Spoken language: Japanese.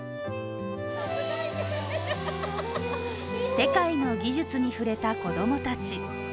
世界の技術に触れた子供たち。